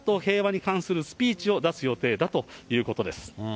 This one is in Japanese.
このあと、平和に関するスピーチを出す予定だということです。